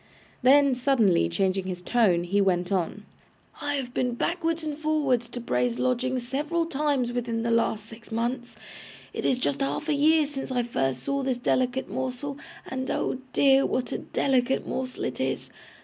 Then, suddenly changing his tone, he went on: 'I have been backwards and forwards to Bray's lodgings several times within the last six months. It is just half a year since I first saw this delicate morsel, and, oh dear, what a delicate morsel it is!